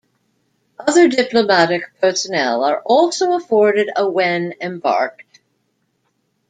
Other diplomatic personnel are also afforded a when embarked.